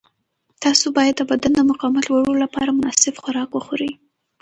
تاسو باید د بدن د مقاومت لوړولو لپاره مناسب خواړه وخورئ.